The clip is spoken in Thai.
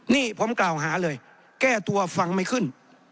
นี่ผมกล่าวหาเลยแก้ตัวฟังไม่ขึ้น